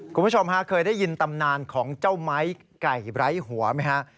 คุณผู้ชมฮะเคยได้ยินตำนานของเจ้าไม้ไก่ไร้หัวไหมฮะ